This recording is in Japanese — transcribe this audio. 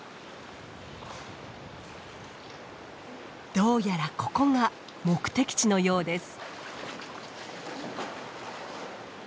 どうやらここが目的地のようです。